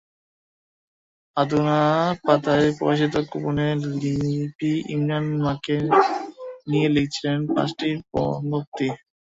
অধুনা পাতায় প্রকাশিত কুপনে লিপি ইমরান মাকে নিয়ে লিখেছিলেন পাঁচটি পঙ্ক্তি।